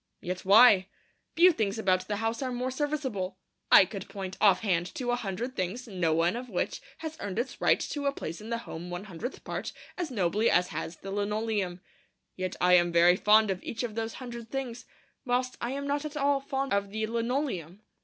Yet why? Few things about the house are more serviceable. I could point offhand to a hundred things no one of which has earned its right to a place in the home one hundredth part as nobly as has the linoleum. Yet I am very fond of each of those hundred things, whilst I am not at all fond of the linoleum.